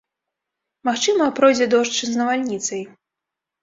Магчыма, пройдзе дождж з навальніцай.